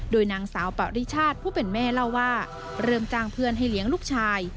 โดยนางสาวปริชาติผู้เป็นแม่เล่าว่าเริ่มจ้างเพื่อนให้เลี้ยงลูกชาย